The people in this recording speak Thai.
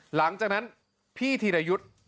หลังจากนั้นพี่ธีรยุทธ์